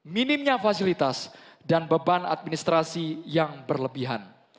minimnya fasilitas dan beban administrasi yang berlebihan